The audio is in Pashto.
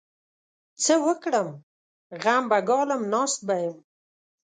څه وکړم؟! غم به ګالم؛ ناست به يم.